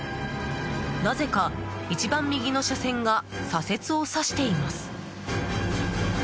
なぜか一番右の車線が左折を指しています。